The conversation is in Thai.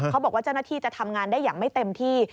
บอกว่าเจ้าหน้าที่จะทำงานได้อย่างไม่เต็มที่